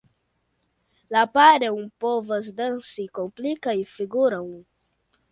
La paroj povas danci komplikajn figurojn.